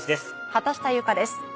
畑下由佳です。